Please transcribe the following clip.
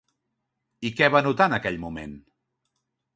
I què va notar en aquell moment?